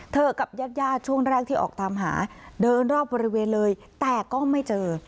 กับญาติญาติช่วงแรกที่ออกตามหาเดินรอบบริเวณเลยแต่ก็ไม่เจอ